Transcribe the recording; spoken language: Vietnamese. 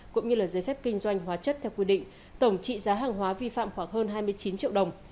cũng như là giấy phép kinh doanh hóa chất theo quy định tổng trị giá hàng hóa vi phạm khoảng hơn hai mươi chín triệu đồng